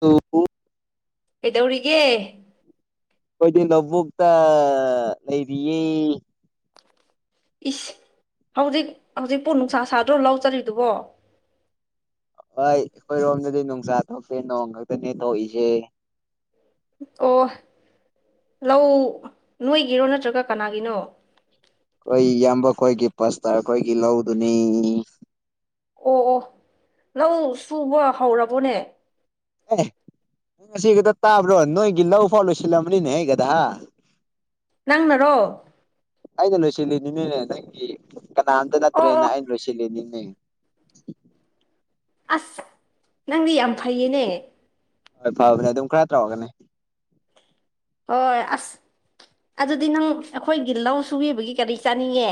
ꯇ ꯀꯩꯗꯧꯔꯤꯒꯦ ꯑꯩꯈꯣꯏꯗꯤ ꯂꯧꯕꯨꯛꯇ ꯂꯩꯔꯤꯌꯦ ꯏꯁ ꯍꯧꯖꯤꯛ ꯍꯧꯖꯤꯛꯄꯣ ꯅꯨꯡꯁꯥ ꯁꯥꯗ꯭ꯔꯣ ꯂꯧꯖꯔꯤꯗꯨꯕꯣ ꯍꯣꯏ ꯑꯩꯈꯣꯏꯔꯣꯝꯗꯗꯤ ꯅꯨꯡꯁꯥ ꯊꯣꯛꯁꯦ ꯅꯣꯡ ꯈꯛꯇꯅꯦ ꯊꯣꯛꯏꯁꯦ ꯑꯣ ꯂꯧ ꯅꯣꯏꯒꯤꯔꯣ ꯅꯠꯇ꯭ꯔꯒ ꯀꯅꯥꯒꯤꯅꯣ ꯑꯩꯈꯣꯏ ꯏꯌꯥꯝꯕ ꯈꯣꯏꯒꯤ ꯄꯁꯇꯔꯈꯣꯏꯒꯤ ꯂꯧꯗꯨꯅꯤ ꯑꯣ ꯑꯣ ꯂꯧ ꯁꯨꯕ ꯍꯧꯔꯕꯣꯅꯦ ꯑ ꯉꯁꯤꯒꯗ ꯇꯥꯕ꯭ꯔꯣ ꯅꯣꯏꯒꯤ ꯂꯧ ꯐꯥꯎ ꯂꯣꯏꯁꯤꯜꯂꯝꯕꯅꯤꯅꯦ ꯍꯒꯗ ꯅꯪꯅꯔꯣ ꯑꯩꯅ ꯂꯣꯏꯁꯤꯜꯂꯤꯅꯤꯅꯦꯅꯦ ꯅꯪꯒꯤ ꯀꯅꯥꯝꯇ ꯑꯣ ꯅꯠꯇ꯭ꯔꯦꯅ ꯑꯣ ꯑꯩꯅ ꯂꯣꯏꯁꯤꯜꯂꯤ ꯎꯝ ꯑꯁ ꯅꯪꯗꯤ ꯌꯥꯝ ꯐꯩꯌꯦꯅꯦ ꯍꯣꯏ ꯐꯕꯅꯤ ꯑꯗꯨꯝ ꯈꯔ ꯇꯧꯔꯒꯅꯤ ꯍꯣꯏ ꯑꯁ ꯑꯗꯨꯗꯤ ꯅꯪ ꯑꯩꯈꯣꯏꯒꯤ ꯂꯧ ꯁꯨꯕꯤꯕꯒꯤ ꯀꯔꯤ ꯆꯥꯅꯤꯡꯉꯦ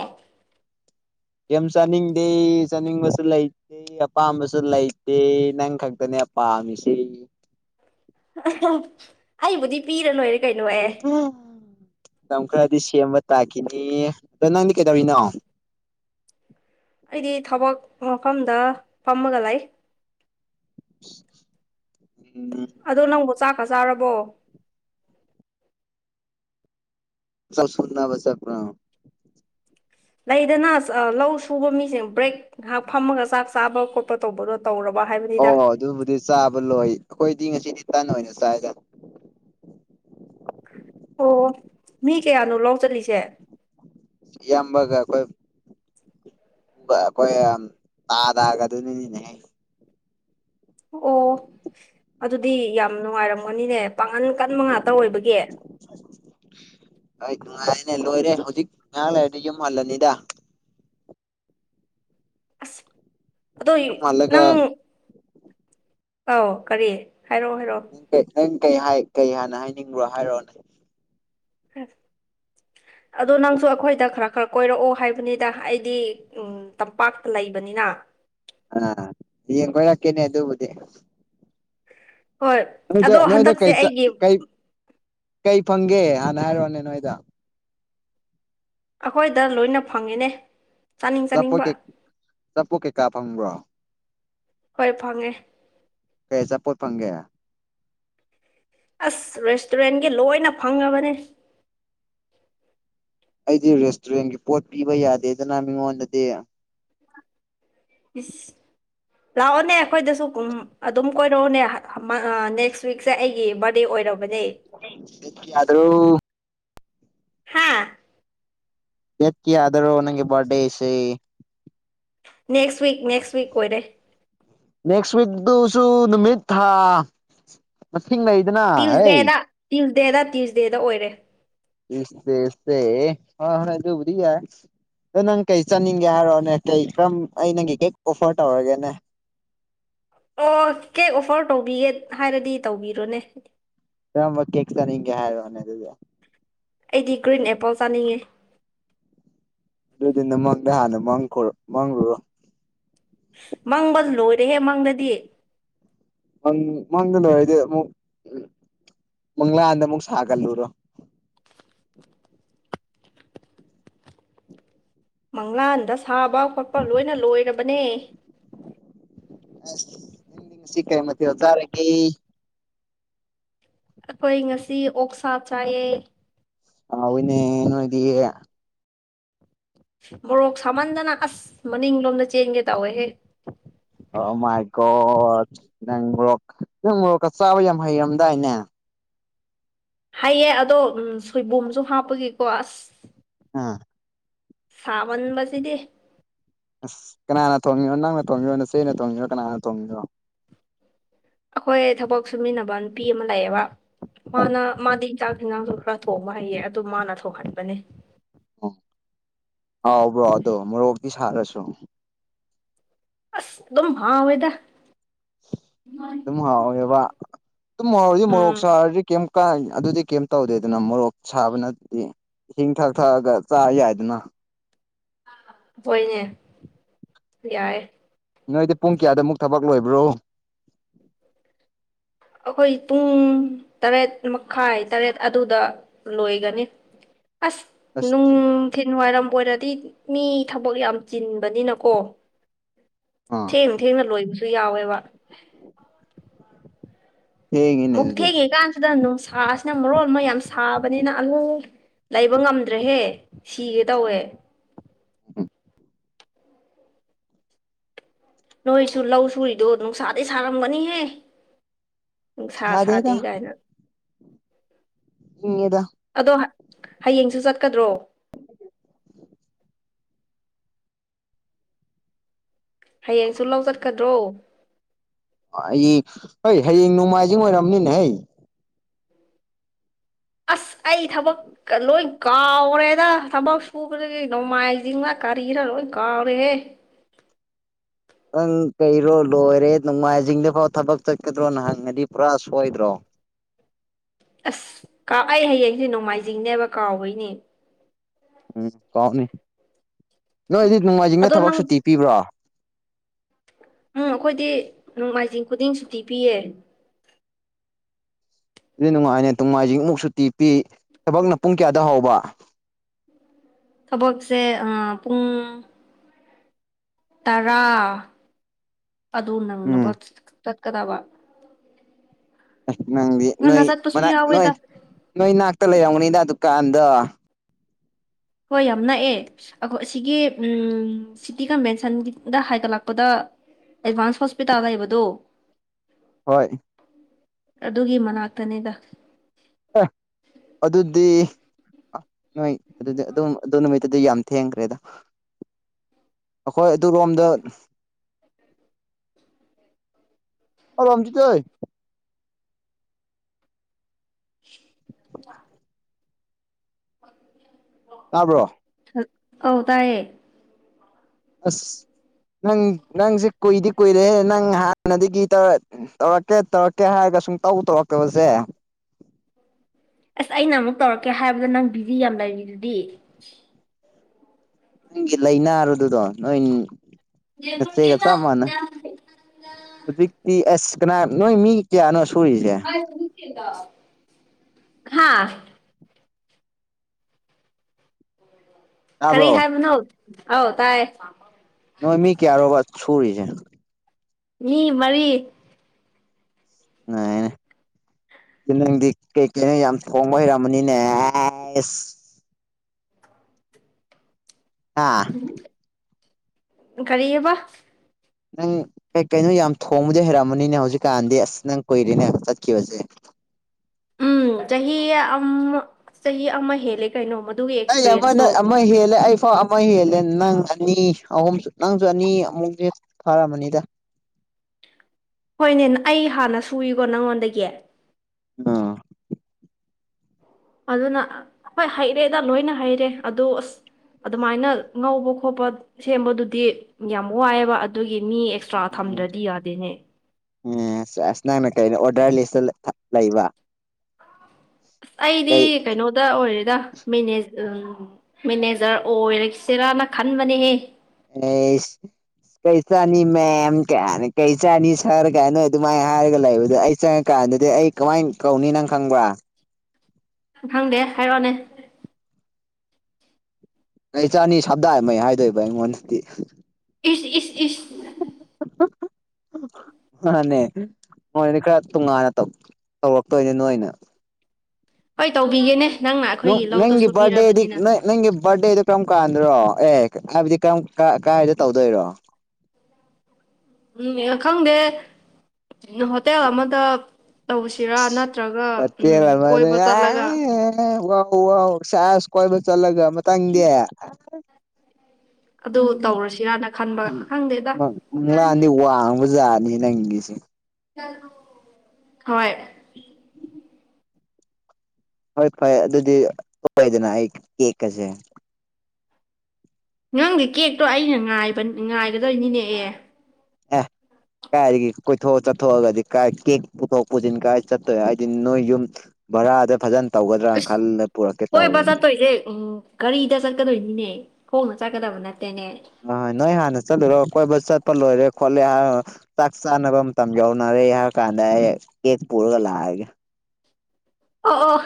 ꯌꯥꯝ ꯆꯥꯅꯤꯡꯗꯦ ꯆꯥꯅꯤꯡꯕꯁꯨ ꯂꯩꯇꯦ ꯑꯄꯥꯝꯕꯁꯨ ꯂꯩꯇꯦ ꯅꯪ ꯈꯛꯇꯅꯦ ꯄꯥꯃꯤꯁꯤ ꯑꯩꯕꯨꯗꯤ ꯄꯤꯔ ꯅꯣꯏꯔꯦ ꯀꯩꯅꯣ ꯑꯦ ꯎꯝ ꯃꯇꯝ ꯈꯔꯗꯤ ꯁꯦꯝꯕ ꯇꯥꯈꯤꯅꯤ ꯑꯗꯣ ꯅꯪꯗꯤ ꯀꯩꯗꯧꯔꯤꯅꯣ ꯑꯩꯗꯤ ꯊꯕꯛ ꯃꯐꯝꯗ ꯐꯝꯃꯒ ꯂꯩ [unintelligible] ꯑꯗꯣ ꯅꯪꯕꯨ ꯆꯥꯛꯀ ꯆꯥꯔꯕꯣ ꯁꯅꯕꯁꯦ ꯄꯨꯔꯣ ꯂꯩꯗꯅ ꯂꯧ ꯁꯨꯕ ꯃꯤꯁꯤꯡꯦ ꯕ꯭ꯔꯦꯛ ꯉꯥꯏꯍꯥꯛ ꯐꯝꯃꯒ ꯆꯥꯛ ꯆꯥꯕ ꯈꯣꯠꯄ ꯇꯧꯕꯗꯣ ꯇꯧꯔꯕ ꯍꯥꯏꯕꯅꯤꯗ ꯑꯣ ꯑꯗꯨꯕꯨꯗꯤ ꯆꯥꯕ ꯂꯣꯏ ꯑꯩꯈꯣꯏꯗꯤ ꯉꯁꯤꯗꯤ ꯇꯟ ꯑꯣꯏꯅ ꯆꯥꯏꯒ ꯑꯣ ꯃꯤ ꯀꯌꯥꯅꯣ ꯂꯥꯎ ꯆꯠꯂꯤꯁꯦ ꯌꯥꯝꯕꯒ ꯑꯩꯈꯣꯏ ꯑꯩꯈꯣꯏ ꯇꯥ ꯇꯥꯒꯗꯣꯏꯅꯤꯅꯤꯅꯦ ꯑꯣ ꯑꯗꯨꯗꯤ ꯌꯥꯝ ꯅꯨꯡꯉꯥꯏꯔꯝꯒꯅꯤꯅꯦ ꯄꯥꯡꯒꯟ ꯀꯟ ꯃꯉꯥꯇ ꯑꯣꯏꯕꯒꯤ ꯍꯣꯏ ꯅꯨꯡꯉꯥꯏꯔꯅꯦ ꯂꯣꯏꯔꯦ ꯍꯧꯖꯤꯛ ꯉꯥꯏꯍꯥꯛ ꯂꯩꯔꯗꯤ ꯌꯨꯝ ꯍꯜꯂꯅꯤꯗ ꯑꯁ ꯑꯗꯣ ꯌꯨꯝ ꯍꯜꯂꯒ ꯅꯪ ꯑꯥꯎ ꯀꯔꯤ ꯍꯥꯏꯔꯛꯑꯣ ꯍꯥꯏꯔꯛꯑꯣ ꯀ ꯍꯥꯏ ꯀꯩ ꯍꯥꯟꯅ ꯍꯥꯏꯅꯤꯡꯕ꯭ꯔꯣ ꯍꯥꯏꯔꯛꯑꯣꯅꯦ ꯑꯗꯣ ꯅꯪꯁꯨ ꯑꯩꯈꯣꯏꯗ ꯈꯔ ꯈꯔ ꯀꯣꯏꯔꯛꯑꯣ ꯍꯥꯏꯕꯅꯤꯗ ꯑꯩ ꯗꯤ ꯎꯝ ꯇꯝꯄꯥꯛꯇ ꯂꯩꯕꯅꯤꯅ ꯑꯥ ꯌꯦꯡ ꯀꯔ ꯀꯦꯅꯦ ꯑꯗꯨꯕꯨꯗꯤꯦ ꯍꯣꯏ ꯅꯣꯏꯗ ꯑꯗꯣ ꯅꯣꯏꯗ ꯍꯟꯗꯛꯁꯦ ꯀꯩ ꯆ ꯑꯩꯒꯤ ꯀꯩ ꯀꯩ ꯐꯪꯒꯦ ꯍꯥꯟꯅ ꯍꯥꯏꯔꯣꯅꯦ ꯅꯣꯏꯗ ꯑꯩꯈꯣꯏꯗ ꯂꯣꯏꯅ ꯐꯪꯉꯤꯅꯦ ꯆꯥꯄꯨ ꯀꯩ ꯆꯥꯄꯨ ꯀꯩꯀꯥ ꯐꯪꯕ꯭ꯔꯣ ꯍꯣꯏ ꯐꯪꯉꯦ ꯐꯩꯖꯥꯄꯠ ꯐꯪꯒꯦ ꯑꯁ ꯔꯦꯁꯇꯨꯔꯦꯟꯒꯤ ꯂꯣꯏꯅ ꯐꯪꯉꯕꯅꯦ ꯑꯩꯗꯤ ꯔꯦꯁꯇꯨꯔꯦꯟꯒꯤ ꯄꯣꯠ ꯄꯤꯕ ꯌꯥꯗꯦꯗꯅ ꯃꯤꯉꯣꯟꯗꯗꯤ ꯏꯁ ꯂꯥꯛꯑꯣꯅꯦ ꯑꯩꯈꯣꯏꯗꯁꯨ ꯑꯗꯨꯝ ꯀꯣꯏꯔꯛꯑꯣꯅꯦ ꯅꯦꯛꯁ ꯋꯤꯛꯁꯦ ꯑꯩꯒꯤ ꯕꯥꯔ ꯌꯥꯗ꯭ꯔꯣ ꯍꯥꯥ ꯑꯦꯠꯀꯤꯗꯔꯣ ꯑꯣꯒꯤ ꯔꯗꯦꯁꯤꯦ ꯅꯦꯛꯁ ꯋꯤꯛ ꯅꯦꯛꯁ ꯋꯤꯛ ꯑꯣꯏꯔꯦ ꯅꯦꯛꯁꯤꯛꯁꯨ ꯅꯨꯃꯤꯠꯇ ꯊꯤꯡꯅ ꯏꯗꯅ ꯍ ꯗꯦꯗ ꯇ꯭ꯌꯨꯖꯗꯦꯗ ꯑꯣꯏꯔꯦ ꯏꯁꯇꯦ ꯏꯁꯦ ꯍ ꯍꯁꯨꯗꯤ ꯌꯥ ꯑꯗ ꯅꯪ ꯀꯩ ꯆꯠꯅꯤꯡꯒꯦ ꯍꯥꯏꯔꯛꯑꯣꯅꯦ ꯀꯩ ꯀꯔꯝ ꯑꯩ ꯅꯪꯒꯤ ꯀꯩ ꯑꯣꯐꯔ ꯇꯧꯔꯒꯦꯅꯦ ꯑꯣ ꯀꯦꯛ ꯑꯣꯐꯔ ꯇꯧꯕꯤꯒꯦ ꯍꯥꯏꯔꯗꯤ ꯇꯧꯕꯤꯔꯣꯅꯦ ꯀꯝꯕ ꯀꯦꯦꯛꯁꯒꯦ ꯍꯥꯏꯔꯅꯦ ꯑꯗꯨꯖ ꯑꯩꯗꯤ ꯒ꯭ꯔꯤꯟ ꯑꯦꯄꯜ ꯆꯥꯅꯤꯡꯉꯦ ꯑꯗꯨꯗꯨꯅ ꯃꯥꯡꯗ ꯍꯥꯟꯅ ꯃꯥꯡꯈꯣ ꯃꯥꯡꯂꯨꯔꯣ ꯃꯪꯕ ꯂꯣꯏꯔꯦꯍꯦ ꯃꯪꯗꯗꯤ ꯃꯪ ꯃꯪꯋꯥꯔꯤꯗ ꯃꯪꯂꯥꯗ ꯃꯨꯛ ꯁꯥꯒꯜꯔ ꯃꯪꯂꯥꯟꯗ ꯁꯥꯕ ꯈꯣꯠꯄ ꯂꯣꯏꯅ ꯂꯣꯏꯔꯕꯅꯦ ꯑꯁ ꯁꯤꯀꯦ ꯃ ꯆꯥꯔꯒꯤ ꯑꯩꯈꯣꯏ ꯉꯁꯤ ꯑꯣꯛꯁꯥ ꯆꯥꯏꯌꯦ ꯍꯧꯣꯏꯅꯦ ꯏꯗꯤ ꯃꯣꯔꯣꯛ ꯁꯥꯃꯟꯗꯅ ꯑꯁ ꯃꯅꯤꯡꯂꯣꯝꯗ ꯆꯦꯟꯒꯦ ꯇꯧꯋꯦꯍꯦ ꯑꯣ ꯃꯥꯏꯀꯣ ꯅꯪꯒꯣꯔꯣꯛ ꯅꯪ ꯃꯣꯔꯣꯛꯀ ꯆꯥꯕ ꯌꯥꯝ ꯍꯩꯔꯝꯗꯥꯏꯅꯦ ꯍꯥꯏꯌꯦ ꯑꯗꯣ ꯁꯣꯏꯕꯨꯝꯝꯁꯨ ꯍꯥꯞꯄꯒꯤꯀꯣ ꯑꯁ ꯑꯥ ꯁꯕꯟꯕꯕꯁꯤꯗꯤ ꯑꯁ ꯀꯅꯥꯅ ꯊꯣꯡꯉꯤꯅꯣ ꯅꯪꯅ ꯊꯣꯡꯉꯤꯔꯣ ꯅꯆꯦꯅ ꯊꯣꯡꯉꯤꯔꯣ ꯀꯅꯥꯅ ꯊꯣꯡꯉꯔꯣ ꯑꯩꯈꯣꯏ ꯊꯕꯛ ꯁꯨꯃꯤꯟꯅꯕ ꯅꯨꯄꯤ ꯑꯃ ꯂꯩꯥꯛꯑꯦꯕ ꯃꯥꯅ ꯃꯥꯗꯤ ꯆꯆꯥꯛ ꯍꯤꯟꯖꯥꯡꯁꯨ ꯈꯔ ꯊꯣꯡꯕ ꯍꯩꯌꯦ ꯑꯗꯨ ꯃꯥꯅ ꯊꯣꯡꯍꯟꯕꯅꯦ ꯑꯣ ꯍꯥꯎꯕ꯭ꯔꯣ ꯑꯗꯣ ꯃꯣꯔꯣꯛꯇꯤ ꯁꯥꯔꯁꯨ ꯑꯁ ꯑꯗꯨꯝ ꯍꯥꯎ ꯑꯣꯏꯋꯦꯗ ꯑꯗꯨꯝ ꯍꯥꯎꯋꯦꯕ ꯑꯗꯨꯝ ꯍꯥꯎꯗꯤ ꯃꯣꯔꯣꯛ ꯎꯝ ꯁꯥꯔꯗꯤ ꯀ ꯀ ꯑꯗꯨꯗꯤ ꯀꯩꯝ ꯇꯧꯗꯦꯗꯅ ꯃꯣꯔꯣꯛ ꯁꯥꯕꯅꯗꯤ ꯏꯁꯤꯡ ꯊꯛ ꯊꯛꯑꯒ ꯆꯥ ꯌꯥꯏꯗꯅ ꯍꯅꯦ ꯌꯥꯔꯦ ꯅꯣꯏꯗꯤ ꯄꯨꯡ ꯀꯌꯥꯗ ꯑꯃꯨꯛ ꯊꯕꯛ ꯂꯣꯏꯕ꯭ꯔꯣ ꯑꯩꯈꯣꯏ ꯄꯨꯡ ꯇꯔꯦꯠ ꯃꯈꯥꯏ ꯇꯔꯦꯠ ꯑꯗꯨꯗ ꯂꯣꯏꯒꯅꯤ ꯑꯁ ꯑꯁ ꯅꯨꯡꯊꯤꯤꯟ ꯋꯥꯏꯔꯝ ꯑꯣꯏ ꯑꯣꯏꯔꯗꯤ ꯃꯤ ꯊꯕꯛ ꯌꯥꯝ ꯆꯤꯟꯕꯅꯤꯅꯀꯣ ꯊꯦꯡꯅ ꯊꯦꯡꯅ ꯂꯣꯏꯕꯁꯨ ꯌꯥꯎꯋꯦꯕ ꯎ ꯍꯦ ꯏꯅꯦꯥꯏ ꯑꯗꯨꯗꯤꯦ ꯁꯤꯗ ꯅꯨꯡꯁꯥꯁꯤꯅ ꯃꯔꯣꯟ ꯑꯃ ꯌꯥꯝ ꯁꯥꯕꯅꯤꯅ ꯑꯂꯨ ꯂꯩꯕ ꯉꯝꯗ꯭ꯔꯦꯍꯦ ꯁꯤꯒꯦ ꯇꯧꯋꯦ ꯅꯣꯏꯁꯨ ꯂꯧ ꯁꯨꯔꯤꯗꯣ ꯅꯨꯡꯁꯥꯗꯩ ꯁꯥꯔꯝꯒꯅꯤꯍꯦ ꯅꯨꯡꯁꯥ ꯁꯥꯗꯦ ꯁꯥꯗꯦꯗ ꯀꯥꯏꯅ ꯏꯪꯉꯦꯗ ꯑꯗꯣ ꯍꯌꯦꯡꯁꯨ ꯆꯠꯀꯗ꯭ꯔꯣ ꯍꯌꯦꯡꯁꯨ ꯂꯧ ꯆꯠꯀꯗ꯭ꯔꯣ ꯑꯩ ꯍꯣꯏ ꯍꯌꯦꯡ ꯅꯣꯡꯃꯥꯏꯖꯤꯡ ꯑꯣꯏꯔꯝꯅꯤꯅꯦ ꯍꯩ ꯑꯁ ꯑꯩ ꯊꯕꯛꯀ ꯂꯣꯏ ꯀꯥꯎꯔꯦꯗ ꯊꯕꯛ ꯁꯨꯕꯗꯒꯤ ꯅꯣꯡꯃꯥꯏꯖꯤꯡ ꯉ ꯀꯔꯤꯔ ꯂꯣꯢ ꯀꯥꯎꯔꯦꯍꯦ ꯅꯪ ꯀꯩꯔꯣ ꯂꯣꯏꯔꯦ ꯅꯣꯡꯃꯥꯏꯖꯤꯡꯗ ꯐꯥꯎ ꯊꯕꯛ ꯆꯠꯀꯗ꯭ꯔꯣ ꯅ ꯍꯪꯉꯗꯤ ꯄꯨꯔꯥ ꯁꯣꯏꯗ꯭ꯔꯣ ꯑꯁ ꯀꯥ ꯑꯩ ꯍꯌꯦꯡꯁꯦ ꯅꯣꯡꯃꯥꯏꯖꯤꯡꯅꯦꯕ ꯀꯥꯎꯕꯩꯅꯦ ꯎꯝ ꯀꯥꯎꯅꯤ ꯅꯣꯏꯗꯤ ꯅꯨꯡꯃꯥꯏꯖꯤꯡꯗ ꯑꯗꯣ ꯊꯕꯛ ꯅꯪ ꯁꯨꯇꯤ ꯄꯤꯕ꯭ꯔꯣ ꯎꯝ ꯑꯩꯈꯣꯏꯗꯤ ꯅꯣꯡꯃꯥꯏꯖꯤꯡ ꯈꯨꯗꯤꯡ ꯁꯨꯇꯤ ꯄꯤꯌꯦ ꯑꯗꯨ ꯅꯨꯡꯉꯥꯏꯅꯦ ꯅꯣꯡꯃꯥꯏꯖꯤꯡ ꯑꯃꯨꯛ ꯁꯨꯇꯤ ꯄꯤ ꯊꯕꯛꯅ ꯄꯨꯡ ꯀꯌꯥꯗ ꯍꯥꯎꯕ ꯊꯕꯛꯁꯦ ꯑ ꯄꯨꯡ ꯇꯔꯥ ꯑꯗꯨ ꯅꯪꯅꯕ ꯎꯝ ꯇꯠ ꯀꯗꯥꯕ ꯑꯁ ꯅꯪꯗꯤ ꯅꯣꯏ ꯃꯅꯥꯛ ꯅꯣꯏ ꯌꯥꯎꯋꯦꯗ ꯅꯣꯏ ꯅꯥꯛꯇ ꯂꯩꯔꯝꯒꯅꯤꯗ ꯑꯗꯨꯝ ꯀꯥꯟꯗ ꯍꯣꯏ ꯌꯥꯝ ꯅꯛꯑꯦ ꯑꯈꯣ ꯑꯁꯤꯒꯤ ꯁꯤꯇꯤ ꯀꯟꯚꯦꯟꯁꯟꯒꯤꯗ ꯍꯥꯏꯒꯠꯂꯛꯄꯗ ꯑꯦꯗꯚꯥꯟꯁ ꯍꯣꯁꯄꯤꯇꯥꯜ ꯂꯩꯕꯗꯣ ꯍꯣꯏ ꯑꯗꯨꯒꯤ ꯃꯅꯥꯛꯇꯅꯤꯗ ꯑ ꯅꯣꯏ ꯑꯗꯨꯗꯤ ꯑꯗꯨꯝ ꯑꯗꯨ ꯅꯨꯃꯤꯠꯇꯗꯤ ꯌꯥꯝ ꯊꯦꯡꯈ꯭ꯔꯦꯗ ꯑꯩꯈꯣꯏ ꯑꯗꯨꯔꯣꯝꯗ ꯑ ꯔꯝ ꯖꯤ ꯇꯦ ꯍ [inaudible] ꯇꯥꯕ꯭ꯔꯣ ꯑꯧ ꯇꯥꯏꯌꯦ ꯑꯁ ꯅꯪ ꯅꯪꯁꯦ ꯀꯨꯏꯗꯤ ꯀꯨꯏꯔꯦꯍꯦ ꯅꯪ ꯍꯥꯟꯅꯗꯒꯤ ꯇꯧꯔꯛ ꯇꯧꯔꯛꯀꯦ ꯇꯧꯔꯛꯀꯦ ꯍꯥꯏꯔꯒ ꯁꯨꯡꯇꯧ ꯇꯧꯔꯛꯇꯕꯖꯦ ꯑꯁ ꯑꯩꯅ ꯑꯃꯨꯛ ꯇꯧꯔꯛꯀꯦ ꯍꯥꯏꯕꯗ ꯅꯪ ꯕꯤꯖꯤ ꯌꯥꯝ ꯂꯩꯔꯤꯗꯨꯗꯤ ꯅꯪꯒꯤ ꯂꯥꯏꯅꯥꯔꯨꯗꯨꯗꯣ ꯅꯣꯏ ꯅꯠꯆꯦꯒ ꯆꯞ ꯃꯥꯟꯅꯩ ꯍꯧꯖꯤꯛꯇꯤ ꯑꯁ ꯀꯅꯥ ꯅꯣꯏ ꯃꯤ ꯀꯌꯥꯅꯣ ꯁꯨꯔꯤꯁꯦ [unintelligible] ꯍꯥ ꯀꯔꯤ ꯇꯥꯕ꯭ꯔꯣ ꯍꯥꯏꯕꯅꯣ ꯑꯥꯎ ꯇꯥꯏ ꯅꯣꯏ ꯃꯤ ꯀꯌꯥꯔꯣꯕ ꯁꯨꯔꯤꯖꯦ ꯃꯤ ꯃꯔꯤ ꯅꯩꯑꯦꯅꯦ ꯅꯪꯗꯤ ꯀꯩ ꯀꯩꯅꯣ ꯌꯥꯝ ꯊꯣꯡꯕ ꯍꯩꯔꯝꯃꯅꯤꯅꯦ ꯑꯦꯁ ꯍꯥ ꯀꯔꯤꯦꯕ ꯅꯪ ꯀꯩ ꯀꯩꯅꯣ ꯌꯥꯝ ꯊꯣꯡꯕꯗꯤ ꯍꯩꯔꯛꯑꯃꯅꯤꯅꯦ ꯍꯧꯖꯤꯛꯀꯥꯟꯗꯤ ꯑꯁ ꯅꯪ ꯀꯨꯏꯔꯦꯅꯦ ꯆꯠꯈꯤꯕꯁꯦ ꯎꯝ ꯆꯍꯤ ꯑꯃ ꯆꯍꯤ ꯑꯃ ꯍꯦꯜꯂꯦ ꯀꯩꯅꯣꯃ ꯑꯩ ꯑꯃꯅ ꯑꯃ ꯍꯦꯜꯂꯦ ꯑꯩ ꯐꯥꯎ ꯑꯃ ꯍꯦꯜꯂꯦ ꯅꯪꯑꯅꯤꯁ ꯑꯍꯨꯝꯁꯨ ꯅꯪꯁꯨ ꯑꯅꯤ ꯑꯃꯨꯛꯁꯨ ꯐꯥꯔꯝꯃꯅꯤꯗ ꯍꯣꯏꯅꯦ ꯑꯩ ꯍꯥꯟꯅ ꯁꯨꯏꯀꯣ ꯅꯪꯉꯣꯟꯗꯒꯤ ꯑꯥ ꯑꯗꯨꯅ ꯍꯣꯏ ꯍꯩꯔꯦꯗ ꯂꯣꯏꯅ ꯍꯩꯔꯦ ꯑꯗꯨ ꯑꯁ ꯑꯗꯨꯃꯥꯏꯅ ꯉꯧꯕ ꯈꯣꯠꯄ ꯁꯦꯝꯕꯗꯨꯗꯤ ꯌꯥꯝ ꯋꯥꯏꯑꯦꯕ ꯑꯗꯨꯒꯤ ꯃꯤ ꯑꯦꯛꯁꯇ꯭ꯔꯥ ꯊꯝꯗ꯭ꯔꯗꯤ ꯌꯥꯗꯦꯅꯦ ꯎꯝ ꯑꯁꯏ ꯅꯪꯅ ꯀꯩꯩꯗ ꯑꯣꯗꯔ ꯂꯤꯁꯇ ꯂꯩꯕ ꯑꯁ ꯑꯩꯗꯤ ꯀꯩ ꯀꯩꯅꯣꯗ ꯑꯣꯏꯔꯦ ꯎ ꯃꯦꯅꯦꯖꯔ ꯑꯣꯏꯔꯁꯤꯔꯅ ꯈꯟꯕꯅꯦꯍꯦ ꯑ ꯀꯩ ꯆꯥꯅꯤ ꯃꯦꯝ ꯀꯩꯅꯤ ꯀꯩ ꯆꯥꯅꯤ ꯁꯔ ꯀꯥꯏ ꯅꯣꯏ ꯑꯗꯨꯃꯥꯏꯅ ꯍꯥꯏꯔꯒ ꯂꯩꯕꯗꯣ ꯑꯩ ꯆꯪꯉꯀ ꯑꯗꯨꯗꯤ ꯑꯩ ꯀꯃꯥꯏꯅ ꯀꯧꯅꯤ ꯅꯪ ꯈꯪꯕ꯭ꯔꯥ ꯈꯪꯗꯦ ꯍꯥꯏꯔꯛꯑꯣꯅꯦ ꯑꯩ ꯆꯅꯤ ꯁꯝꯗꯥꯃꯩ ꯍꯥꯏꯗꯣꯏꯕ ꯑꯩꯉꯣꯟꯗꯗꯤ ꯏ ꯏꯁ ꯏ ꯍꯅꯦ ꯃꯣꯏꯗꯤ ꯈꯔ ꯇꯣꯉꯥꯟꯅ ꯇꯧꯔꯛꯇꯣꯏꯅꯤ ꯅ ꯑꯩꯅ ꯍꯣꯏ ꯇꯧꯕꯤꯒꯦꯅꯦ ꯅꯪꯅ ꯑꯩꯈꯣꯏꯒꯤ ꯅꯪ ꯂꯧꯗꯣ ꯄꯦꯗꯤ ꯁꯨꯕꯤꯔꯕꯅꯤꯅ ꯅꯪ ꯕꯥꯔꯊꯗꯦꯗꯣ ꯀꯔꯝ ꯀꯥꯟꯗ꯭ꯔꯣ ꯑꯦ ꯍꯥꯏꯕꯗꯤ ꯀꯔꯝ ꯀꯥꯏꯗ ꯇꯧꯗꯣꯏꯔꯣ ꯎꯝ ꯈꯪꯗꯦ ꯍꯣꯇꯦꯜ ꯑꯃꯗ ꯇꯧꯁꯤꯔꯥ ꯅꯠꯇ꯭ꯔꯒ ꯐꯠꯇ ꯎꯝ ꯃ ꯀꯣꯏꯕ ꯑ ꯆꯠꯂꯒ ꯑꯧ ꯁꯥꯁ ꯀꯣꯏꯕ ꯆꯠꯂꯒ ꯃꯪꯗꯤ ꯑꯗꯨ ꯇꯧꯔꯁꯤꯔꯅ ꯈꯟꯕ ꯈꯪꯗꯦꯗ ꯎ ꯂꯥꯟꯗꯤ ꯋꯥꯡꯕꯖꯥꯗꯦ ꯂꯦꯁꯤꯦ ꯍꯣꯏ ꯍꯣꯏ ꯐꯦ ꯑꯗꯨꯗꯤꯣꯏꯗꯅ ꯑꯩ ꯀꯦꯛꯀꯁꯦ ꯅꯪꯗꯤ ꯀꯦꯛꯇꯣ ꯑꯩꯅ ꯉꯥꯏꯒꯗꯣꯏꯅꯤꯅꯦ ꯑꯦ ꯑ ꯀꯥꯏꯗꯒꯤ ꯀꯣꯏꯊꯣꯛꯑ ꯆꯠꯊꯣꯛꯑꯒꯗꯤ ꯀꯥꯏ ꯀꯦꯛ ꯄꯨꯊꯣꯛ ꯄꯨꯁꯤꯟ ꯀꯥꯏ ꯆꯠꯇꯣꯏꯦ ꯍꯥꯏꯗꯤ ꯅꯣꯏ ꯌꯨꯝ ꯔꯗꯦ ꯐꯖꯅ ꯇꯧꯒꯗ꯭ꯔꯥ ꯑꯁ ꯈꯜꯂ ꯄꯨꯔꯛꯀꯦ ꯍꯣꯏ ꯕꯥ ꯇꯧꯕꯅꯤ ꯆꯠꯇꯣꯏꯁꯦ ꯎꯝ ꯒꯥꯔꯤꯗ ꯆꯠꯀꯗꯣꯏꯅꯤꯅꯦ ꯍꯅ ꯆꯥꯒꯗꯕꯟꯅ ꯑ ꯅꯣꯏ ꯍꯥꯟꯅ ꯆꯂ ꯔꯣ ꯑ ꯀꯣꯏꯕ ꯆꯠꯄ ꯂꯣꯏꯔꯦ ꯈꯣꯠꯂꯦ ꯆꯥꯛ ꯆꯥꯅꯕ ꯃꯇꯝ ꯌꯧꯅꯔꯦ ꯍꯥꯏꯔ ꯀꯥꯟꯗ ꯑꯩ ꯄꯨꯔꯒ ꯂꯑꯒꯦ ꯑꯣ ꯑꯣ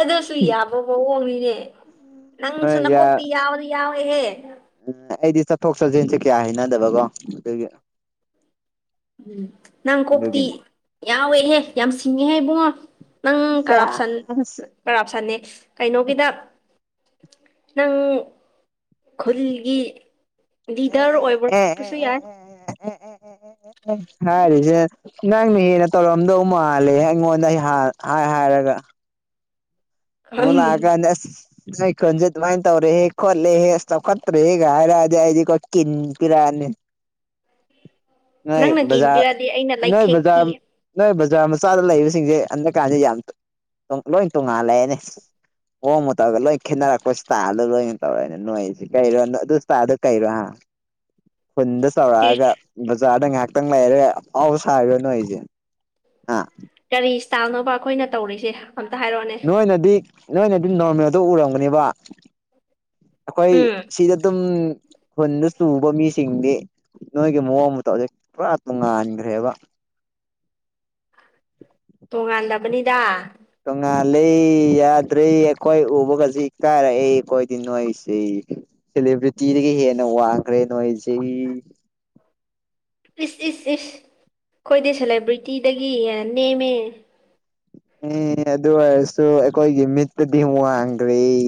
ꯑꯗꯨꯁꯨ ꯌꯥꯕ ꯃꯑꯣꯡꯅꯤꯅꯦ ꯅꯪꯁꯨ ꯅꯀꯣꯛꯇꯤ ꯌꯥꯎꯗꯤ ꯌꯥꯎꯋꯦꯍꯦ ꯎꯝ ꯑꯩꯗꯤ ꯆꯠꯊꯣꯛ ꯆꯠꯁꯤꯟꯁꯦ ꯀꯌꯥ ꯍꯩꯅꯗꯕꯀꯣ ꯑꯗꯨꯒꯤ ꯎꯝ ꯅꯪ ꯀꯣꯛꯇꯤ ꯑꯗꯨꯒꯤꯅꯤ ꯌꯥꯎꯋꯦꯍꯦ ꯌꯥꯝ ꯁꯤꯡꯉꯦꯍꯦ ꯏꯕꯨꯡꯉꯣ ꯅꯪ ꯀꯔꯞꯁꯟ ꯀꯔꯞꯁꯟꯅꯦ ꯀꯩꯅꯣꯒꯤꯗ ꯅꯪ ꯈꯜꯒꯤ ꯂꯤꯗꯔ ꯑꯣꯏꯕꯔꯛꯄꯁꯨ ꯌꯥꯏ ꯎ ꯍꯦꯁꯦ ꯅꯪꯅ ꯍꯦꯟꯅ ꯇꯧꯔꯝꯗꯧ ꯃꯥꯜꯂꯦ ꯑꯩꯉꯣꯟꯗ ꯑꯩ ꯍꯥꯏ ꯍꯥꯏꯔꯒ ꯍꯂꯑꯒꯅꯦ ꯅ ꯑꯩ ꯈꯨꯟꯁꯦ ꯑꯗꯨꯃꯥꯏꯅ ꯇꯧꯔꯦꯍꯦ ꯈꯣꯠꯂꯦꯍꯦ ꯑꯁ ꯆꯥꯎꯈꯠꯇ꯭ꯔꯦꯍꯦꯒ ꯍꯥꯏꯔꯛꯑꯗꯤ ꯑꯩꯗꯤ ꯑꯩꯣ ꯀꯤꯟ ꯄꯤꯔꯛꯑꯅꯤ [inaudible] ꯎ ꯅꯖ ꯅꯖꯥ ꯅ ꯖꯥꯔ ꯃꯆꯥꯗ ꯂꯩꯕꯁꯤꯡꯁꯦ ꯍꯟꯗꯛꯀꯥꯟꯗꯦ ꯌꯥꯝ ꯂꯣꯏ ꯇꯣꯡꯉꯥꯜꯂꯛꯑꯦꯅꯦ [inaudible] ꯍꯣꯡꯝꯃꯨ ꯇꯧꯔꯒ ꯂꯣꯏ ꯈꯦꯠꯅꯔꯛꯄ ꯁꯇꯥꯗ ꯂꯣꯏꯅ ꯇꯧꯔꯅ ꯅꯣꯏꯁꯤ ꯀꯩꯔꯣ ꯑꯗꯨꯇꯥꯗ ꯀꯩꯔꯣ ꯎ ꯍꯟ ꯁꯋꯥꯒ ꯥꯗ ꯉꯥꯏꯍꯥꯛꯇꯪ ꯂꯩꯔꯦ ꯑꯥꯎ ꯁꯥꯔꯅꯨ ꯑꯩꯁꯦ ꯑ ꯀꯔꯤ ꯏꯁꯇꯥꯏꯜꯅꯣꯕ ꯑꯩꯈꯣꯏꯅ ꯇꯧꯔꯤꯁꯦ ꯑꯝꯇ ꯍꯥꯏꯔꯛꯑꯣꯅꯦ ꯅꯣꯏꯅ ꯑꯗꯨꯝ ꯅꯣꯔꯃꯦꯜꯗꯣ ꯎꯔꯝꯒꯅꯦꯕ ꯑꯩꯈꯣꯏ ꯎꯝ ꯁꯤꯗ ꯑꯗꯨꯝ ꯈꯨꯟꯗ ꯆꯨꯕ ꯃꯤꯁꯤꯡꯗꯤ ꯅꯣꯏꯒꯤ ꯃꯑꯣꯡ ꯃꯇꯧꯖꯤꯛ ꯄꯨꯔꯥ ꯇꯣꯉꯥꯟꯈ꯭ꯔꯦꯕ ꯇꯣꯉꯥꯟꯗꯕꯅꯤꯗ ꯇꯣꯉꯥꯂꯦ ꯌꯥꯗ꯭ꯔꯦ ꯑꯩꯈꯣꯏ ꯎꯕꯒꯁꯤ ꯀꯥꯏꯔꯛꯑꯦ ꯑꯩꯈꯣꯏꯗꯤ ꯅꯣꯏꯁꯤꯦ ꯁꯦꯂꯦꯕ꯭ꯔꯤꯇꯤꯗꯒꯤ ꯍꯦꯟꯅ ꯋꯥꯡꯈ꯭ꯔꯦ ꯅꯣꯏꯁꯦ ꯏꯁ ꯏꯁ ꯏꯁ ꯑꯩꯈꯣꯏꯗꯤ ꯁꯦꯂꯦꯕ꯭ꯔꯤꯇꯤꯗꯒꯤ ꯅꯦꯝꯃꯦ ꯎꯝ ꯑꯗꯨ ꯑꯣꯏꯔꯁꯨ ꯑꯩꯈꯣꯏꯒꯤ ꯃꯤꯠꯇꯗꯤ ꯋꯥ ꯋꯥꯡꯒꯔꯤ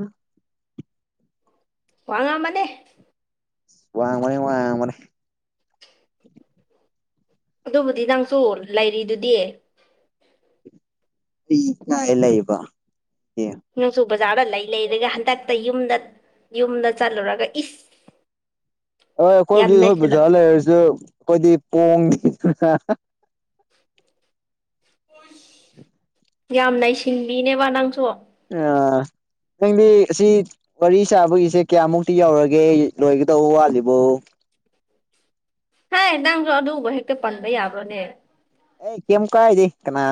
ꯑ ꯋꯥ ꯉꯝꯕꯅꯦ ꯋꯥꯃꯅꯤ ꯋꯥ ꯃꯔꯦ ꯑꯗꯨꯕꯨꯗꯤ ꯅꯪꯁꯨ ꯂꯩꯔꯤꯗꯨꯗꯤ ꯂ ꯏꯕ ꯅꯣꯡꯆꯨ ꯕꯖꯥꯔꯗ ꯂꯩ ꯂꯩꯔꯒ ꯍꯟꯗꯛꯇ ꯌꯨꯝꯗ ꯌꯨꯝꯗ ꯆꯠꯂꯨꯔꯒ ꯏꯁ ꯍꯣꯏ ꯌꯥꯝ ꯑꯩꯈꯣꯏꯕꯨꯖꯤꯛ ꯍꯈꯣꯏ ꯅꯩꯁꯤꯜꯂꯛ ꯄꯨꯖꯔ ꯂꯩꯔꯁꯨ ꯑꯩꯈꯣꯏꯗꯤ ꯄꯣꯡꯉꯗꯅ ꯌꯥꯝꯅ ꯁꯤꯟꯕꯤꯅꯦꯕ ꯅꯪꯁꯨꯣ ꯑ ꯅꯪꯗꯤ ꯑꯁꯤ ꯋꯥꯔꯤ ꯁꯥꯕꯒꯤꯁꯦ ꯀꯌꯥꯃꯨꯛꯇꯤ ꯌꯧꯔꯒꯦ ꯂꯣꯏꯒꯗꯧꯕ ꯋꯥꯠꯂꯤꯕꯣ ꯍꯥꯏ ꯅꯪꯁꯨ ꯑꯗꯨꯕ ꯍꯦꯛꯇ ꯄꯟꯕ ꯌꯥꯕ꯭ꯔꯅꯦ ꯑꯦ ꯀꯦꯝ ꯀꯥꯏꯗꯤꯦ ꯀꯅꯥ